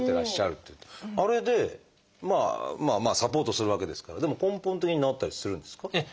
あれでまあサポートするわけですからでも根本的に治ったりするんですか？